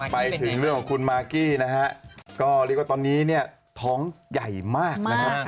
ผมท้องใหญ่มาก